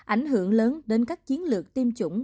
ảnh hưởng lớn đến các chiến lược tiêm chủng